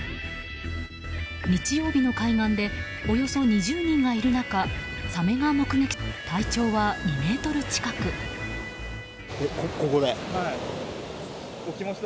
日曜日の海岸でおよそ２０人がいる中サメが目撃されたのです。